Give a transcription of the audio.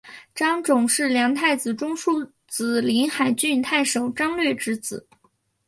张种是梁太子中庶子临海郡太守张略之子。